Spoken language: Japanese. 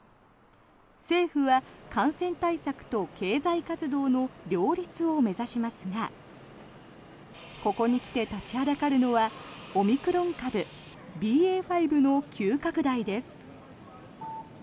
政府は感染対策と経済活動の両立を目指しますがここに来て立ちはだかるのはオミクロン株ＢＡ．５の急拡大です。